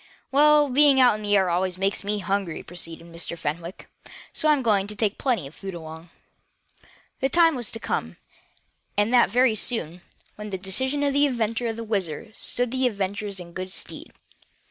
"Well, being out in the air always makes me hungry," proceeded Mr. Fenwick, "so I'm going to take plenty of food along." The time was to come, and that very soon, when this decision of the inventor of the WHIZZER stood the adventurers in good stead.